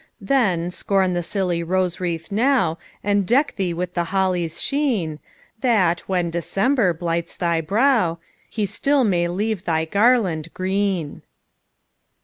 Then, scorn the silly rose wreath now, And deck thee with the holly's sheen, That, when December blights thy brow, He still may leave thy garland green.